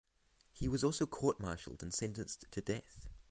He was also court-martialled and sentenced to death.